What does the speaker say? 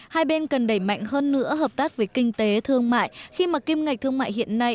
hai bên cần đẩy mạnh hơn nữa hợp tác về kinh tế thương mại khi mà kim ngạch thương mại hiện nay